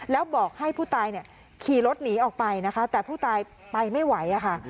แล้วบอกให้ผู้ตายเนี่ยขี่รถหนีออกไปนะคะแต่ผู้ตายไปไม่ไหวอะค่ะ